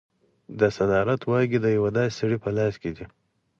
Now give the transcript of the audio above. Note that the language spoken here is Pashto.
د صدارت واګې د یو داسې سړي په لاس کې دي.